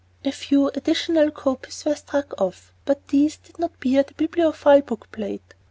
A few additional copies were struck off, but these did not bear the Bibliophile book plate.